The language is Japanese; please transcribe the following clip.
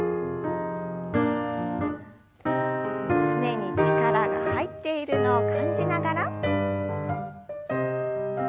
すねに力が入っているのを感じながら。